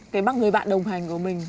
cái mặt người bạn đồng hành của mình